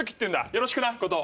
よろしくな後藤。